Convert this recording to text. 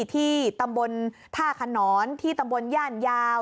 ที่ตำบลท่าขนอนที่ตำบลย่านยาว